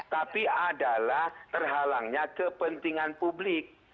tapi adalah terhalangnya kepentingan publik